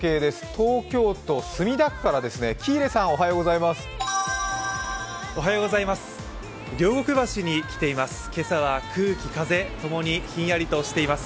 東京都墨田区から喜入さん、おはようございます。